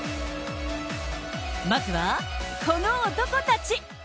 まずはこの男たち。